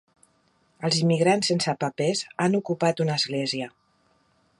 Els immigrants sense papers han ocupat una església.